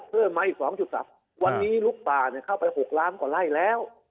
เพิ่มมาอีกสองจุดสามอ่าวันนี้ลูกป่าเนี่ยเข้าไปหกล้านกว่าไล่แล้ว